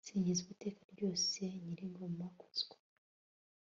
singizwa iteka ryose, nyir'ingoma kuzwa